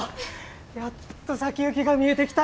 やっと先行きが見えてきたな。